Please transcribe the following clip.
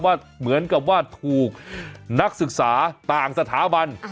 เหมือนกับว่าถูกนักศึกษาต่างสถาบัน